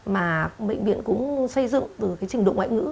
mà bệnh viện cũng xây dựng từ cái trình độ ngoại ngữ